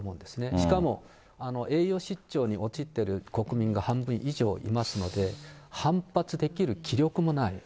しかも栄養失調に陥っている国民が半分以上いますので、反発できる気力もない。